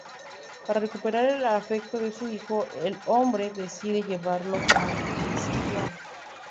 Para recuperar el afecto de su hijo, el hombre decide llevarlo a esquiar.